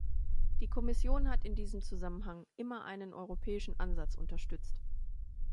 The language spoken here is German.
Die Kommission hat in diesem Zusammenhang immer einen europäischen Ansatz unterstützt.